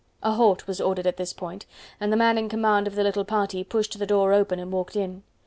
A halt was ordered at this point: and the man in command of the little party pushed the door open and walked in.